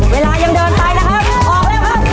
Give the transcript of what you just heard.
เวลาเดินออกเร็ว